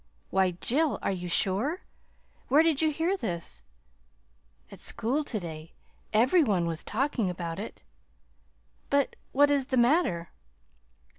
"Why, Jill, are you sure? Where did you hear this?" "At school to day. Every one was talking about it." "But what is the matter?"